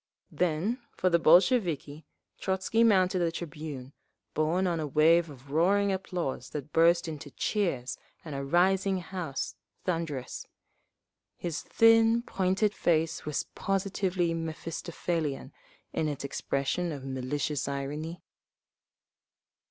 Then for the Bolsheviki, Trotzky mounted the tribune, borne on a wave of roaring applause that burst into cheers and a rising house, thunderous. His thin, pointed face was positively Mephistophelian in its expression of malicious irony.